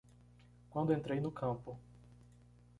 Quando entrei no campo